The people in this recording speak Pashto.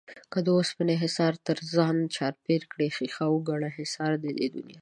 که د اوسپنو حِصار تر ځان چاپېر کړې ښيښه وگڼه حِصار د دې دنيا